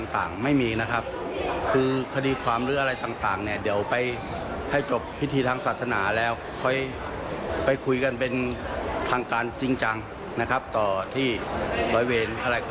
ทางการจริงจังนะครับต่อที่บริเวณอะไร